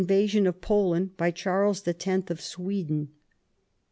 vasion of Poland by Charles X. of Sweden.